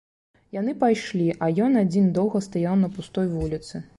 Яны пайшлі, а ён адзін доўга стаяў на пустой вуліцы.